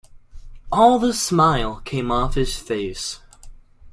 All the smile came off his face.